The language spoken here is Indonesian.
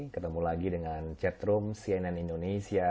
ketemu lagi dengan chatroom cnn indonesia